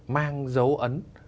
mang dấu ấn